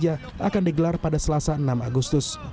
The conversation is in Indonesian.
piala indonesia akan digelar pada selasa enam agustus